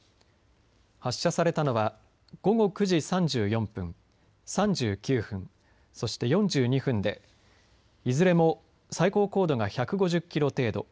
発射されたのは午後９時３４分３９分、そして４２分でいずれも最高高度が１５０キロ程度。